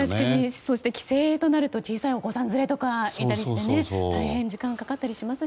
そして帰省となると小さいお子さん連れもいたりして大変、時間がかかったりしますしね。